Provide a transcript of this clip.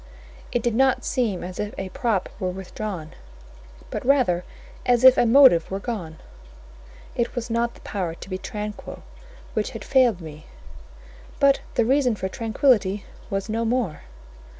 It did not seem as if a prop were withdrawn, but rather as if a motive were gone: it was not the power to be tranquil which had failed me, but the reason for tranquillity was no more.